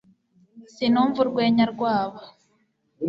sinumva urwenya rwabo